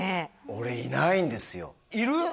俺いないんですよいる？